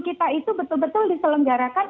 kita itu betul betul diselenggarakan